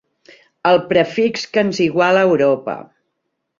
El prefix que ens iguala a Europa.